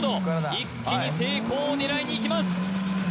一気に成功を狙いにいきます